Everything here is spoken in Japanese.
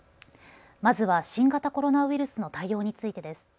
まずは新型コロナウイルスの対応についてです。